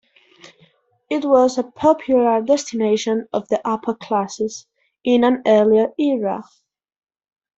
It was a popular destination of the upper classes in an earlier era.